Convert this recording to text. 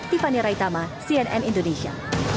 tiffany raitama cnn indonesia